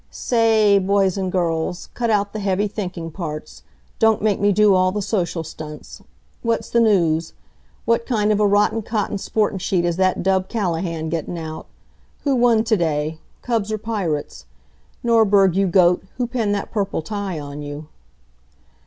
"Sa a ay, boys and girls, cut out the heavy thinking parts. Don't make me do all the social stunts. What's the news? What kind of a rotten cotton sportin' sheet is that dub Callahan gettin' out? Who won to day Cubs or Pirates? Norberg, you goat, who pinned that purple tie on you?"